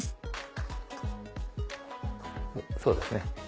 そうですね。